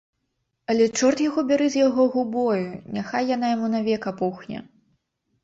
Але чорт яго бяры з яго губою, няхай яна яму навек апухне.